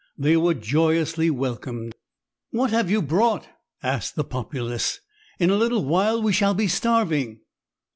They were joyously welcomed. "What have you brought," asked the populace. "In a little while we shall be starving."